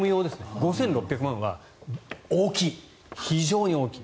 ５６００万円は大きい非常に大きい。